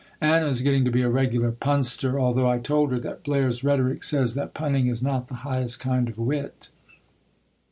Anna is getting to be a regular punster, although I told her that Blair's Rhetoric says that punning is not the highest kind of wit.